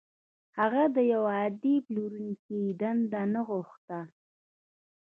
هغه د يوه عادي پلورونکي دنده نه غوښته.